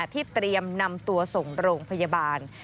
ที่เตรียมนำตัวส่งโรงพยาบาล